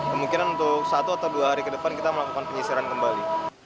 kemungkinan untuk satu atau dua hari ke depan kita melakukan penyisiran kembali